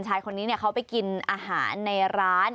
ชายคนนี้เขาไปกินอาหารในร้าน